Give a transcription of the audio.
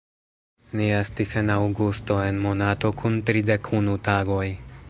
Ni estis en Aŭgusto, en monato kun tridek-unu tagoj.